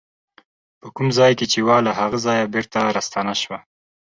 په کوم ځای کې چې وه له هغه ځایه بېرته راستنه شوه.